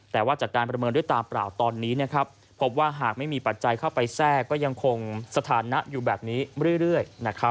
แต่ว่าจากการประเมินด้วยตาเปล่าตอนนี้พบว่าหากไม่มีปัจจัยเข้าไปแทรกก็ยังคงสถานะอยู่แบบนี้เรื่อย